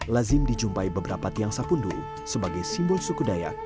lazim dijumpai beberapa tiang sapundu sebagai simbol suku dayak